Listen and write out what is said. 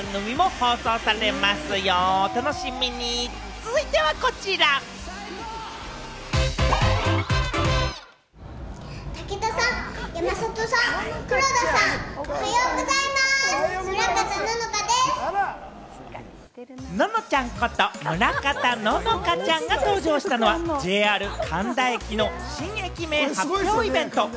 続いてはこちら。ののちゃんこと村方乃々佳ちゃんが登場したのは、ＪＲ神田駅の新駅名発表イベント。